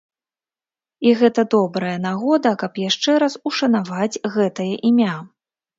І гэта добрая нагода, каб яшчэ раз ушанаваць гэтае імя.